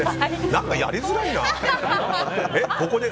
何かやりづらいな。